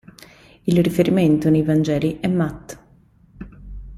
Il riferimento nei Vangeli è Matt.